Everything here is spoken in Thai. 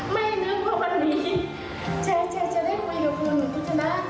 ไม่นึกว่าวันนี้จะได้คุยกับคุณคุณชนะคุณใบตองคุณเบี้ยงค่ะคุณชีสาด้วย